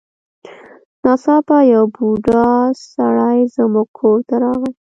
ناڅاپه یو بوډا سړی زموږ کور ته راغی.